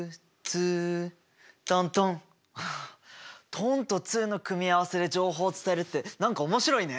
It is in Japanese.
トンとツーの組み合わせで情報を伝えるって何か面白いね。